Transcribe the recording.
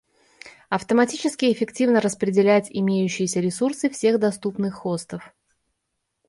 Автоматически эффективно распределять имеющиеся ресурсы всех доступных хостов